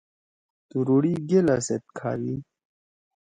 تُوریڑی گیلا سیت کھادی۔